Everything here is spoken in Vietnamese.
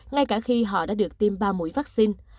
ngay cả khi họ đã được tiêm ba mũi vaccine